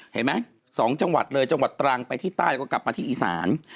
เห็นไหม๒จังหวัดเลยจังหวัดตรังไปที่ใต้ก็กลับมาที่อีสาน